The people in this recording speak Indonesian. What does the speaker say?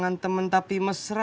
apatemen tapi maersa